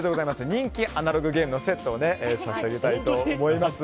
人気アナログゲームのセットを差し上げたいと思います。